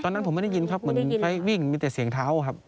ตอนนั้นผมไม่ได้ยินครับเหมือนไฟวิ่งมีแต่เสียงเท้าครับ